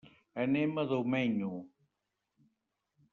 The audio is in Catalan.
Anem a Domenyo.